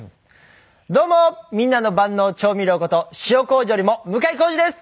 どうもみんなの万能調味料こと塩こうじよりも向井康二です！